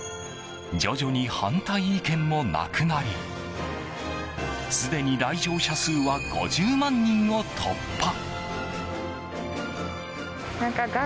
徐々に反対意見もなくなりすでに来場者数は５０万人を突破。